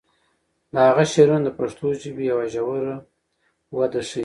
د هغه شعرونه د پښتو ژبې یوه ژوره وده ښیي.